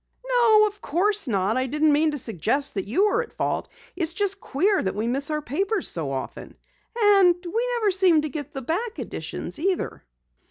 "No, of course not. I didn't mean to suggest that you were at fault. It's just queer that we miss our papers so often. And we never seem to get the back editions either."